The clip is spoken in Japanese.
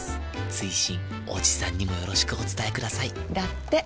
追伸おじさんにもよろしくお伝えくださいだって。